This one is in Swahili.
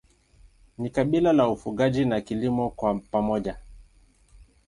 Ni kabila la ufugaji na kilimo kwa pamoja.